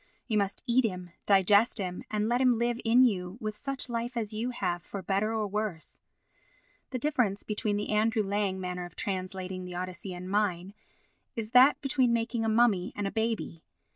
You must eat him, digest him and let him live in you, with such life as you have, for better or worse. The difference between the Andrew Lang manner of translating the Odyssey and mine is that between making a mummy and a baby.